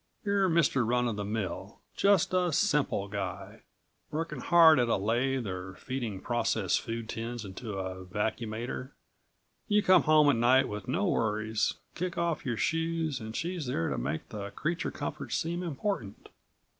You're Mr. Run of the Mill, just a simple guy, working hard at a lathe or feeding processed food tins into a vacuumator. You come home at night with no worries, kick off your shoes and she's there to make the creature comforts seem important.